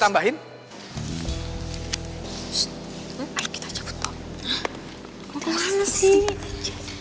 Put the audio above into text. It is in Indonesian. hah mau kemana sih